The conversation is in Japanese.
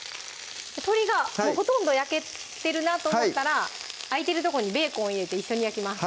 鶏がほとんど焼けてるなと思ったら空いてるとこにベーコンを入れて一緒に焼きます